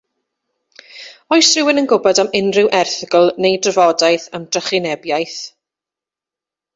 Oes rhywun yn gwybod am unrhyw erthygl neu drafodaeth am drychinebiaeth?